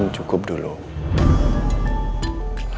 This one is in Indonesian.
begitulah letak penyeta